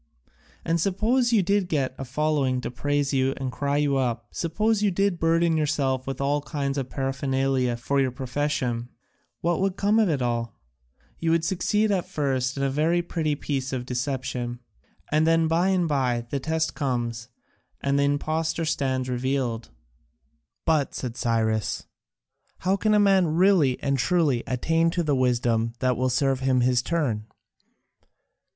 And suppose you did get a following to praise you and cry you up, suppose you did burden yourself with all kinds of paraphernalia for your profession, what would come of it all? You succeed at first in a very pretty piece of deception, and then by and by the test comes, and the impostor stands revealed." "But," said Cyrus, "how can a man really and truly attain to the wisdom that will serve his turn?"